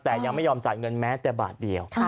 แต่ยังไม่ยอมจ่ายเงินแม้แต่บาทเดียว